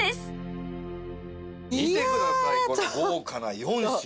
見てくださいこの豪華な４種！